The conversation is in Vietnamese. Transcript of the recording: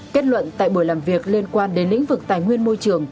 kết luận tại buổi làm việc liên quan đến lĩnh vực tài nguyên môi trường